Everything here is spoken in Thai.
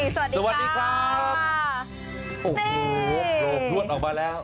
สวัสดีครับโอ้โหโผล่พลวดออกมาแล้ว